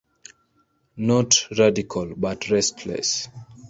Not radical but restless.